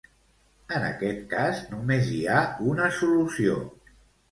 En aquest cas només hi ha una solució.